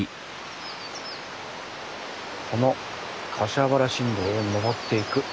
この柏原新道を登っていく。